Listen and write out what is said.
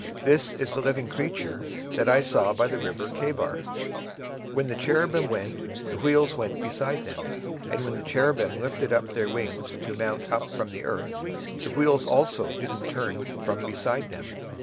This is the living creature that I saw by the river of Chebar. 26:010:016 And when the cherubims went, the wheels went by them: and when the cherubims lifted up their wings to mount up from the earth, the same wheels also turned not from beside them.